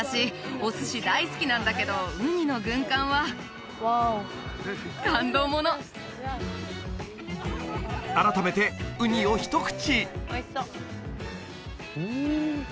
お寿司大好きなんだけどウニの軍艦はワオ感動もの改めてウニを一口うん